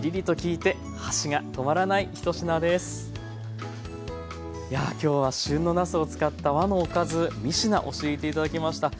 いやぁ今日は旬のなすを使った和のおかず３品教えて頂きました。